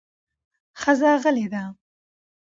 ښځه غلې ده